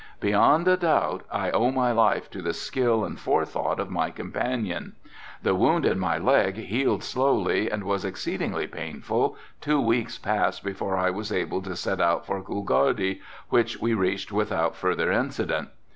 Beyond a doubt I owe my life to the skill and forethought of my companion. The wound in my leg healed slowly and was exceedingly painful, two weeks passed before I was able to set out for Coolgardie, which we reached without further incident.